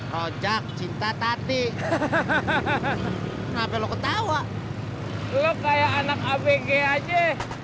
rojak cinta tadi hahaha kenapa lo ketawa lo kayak anak abg aja